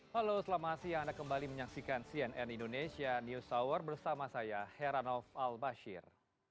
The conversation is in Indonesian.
halo selamat siang anda kembali menyaksikan cnn indonesia news hour bersama saya heranov al bashir